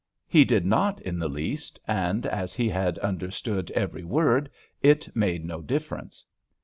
He did not in the least, and as he had understood every word it made no difference.